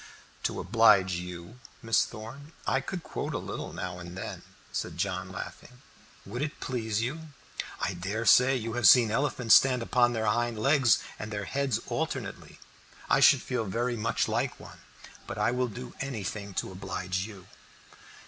"To oblige you, Miss Thorn, I could quote a little now and then," said John, laughing. "Would it please you? I dare say you have seen elephants stand upon their hind legs and their heads alternately. I should feel very much like one; but I will do anything to oblige you."